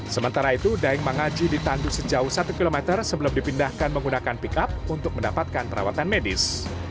sementara itu daeng mengaji ditandu sejauh satu km sebelum dipindahkan menggunakan pickup untuk mendapatkan perawatan medis